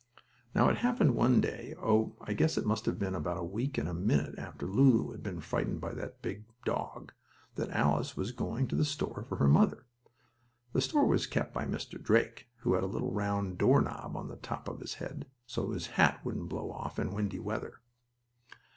Now it happened one day, oh, I guess it must have been about a week and a minute after Lulu had been frightened by that big dog, that Alice was going to the store for her mother. The store was kept by Mr. Drake, who had a little round door knob on the top of his head, so his hat wouldn't blow off in windy weather.